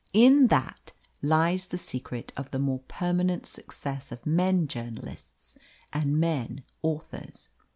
In that lies the secret of the more permanent success of men journalists and men authors.